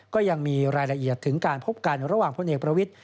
ก็ยังมีรายละเอียดถึงการพบกันระหว่างพลเอกประวิทธิ